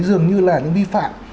dường như là những vi phạm